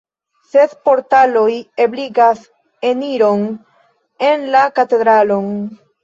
Ses portaloj ebligas eniron en la katedralon.